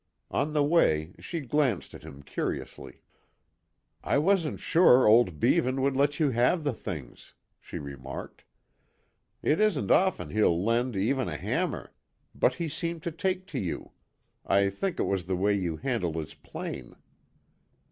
On the way she glanced at him curiously. "I wasn't sure old Beavan would let you have the things," she remarked. "It isn't often he'll lend even a hammer, but he seemed to take to you; I think it was the way you handled his plane."